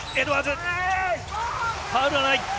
ファウルはない。